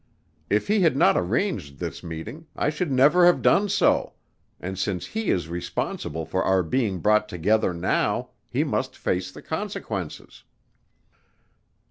If he had not arranged this meeting I should never have done so and since he is responsible for our being brought together now he must face the consequences."